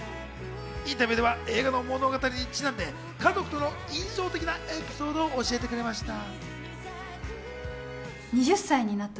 インタビューでは映画の物語にちなんで、家族との印象的なエピソードを教えてくれました。